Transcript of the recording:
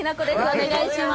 お願いします。